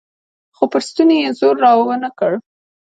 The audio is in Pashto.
خو پر ستوني يې زور راونه کړ.